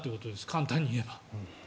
簡単に言えば。